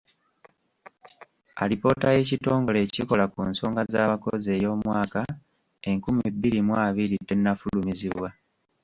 Alipoota y’Ekitongole ekikola ku nsonga z’abakozi ey'omwaka enkumi bbiri mu abiri tennafulumizibwa.